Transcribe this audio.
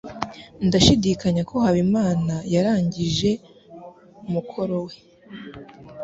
Ndashidikanya ko Habimana yarangije umukoro we.